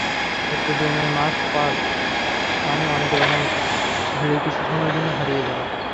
স্টেডিয়ামে march past মানে অনেক রঙের ভিড়ে কিছু সময়ের জন্য হারিয়ে যাওয়া।